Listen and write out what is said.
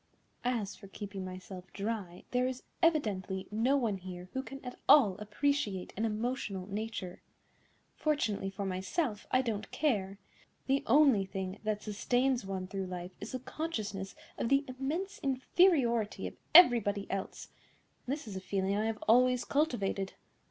As for keeping myself dry, there is evidently no one here who can at all appreciate an emotional nature. Fortunately for myself, I don't care. The only thing that sustains one through life is the consciousness of the immense inferiority of everybody else, and this is a feeling I have always cultivated.